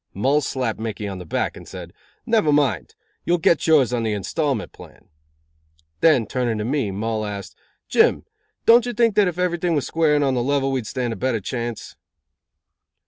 Mull slapped Mickey on the back and said: "Never mind. You will get yours yet on the installment plan." Then, turning to me, Mull asked: "Jim, don't you think that if everything was square and on the level we'd stand a better chance?"